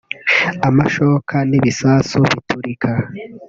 amashoka n’ibisasu biturika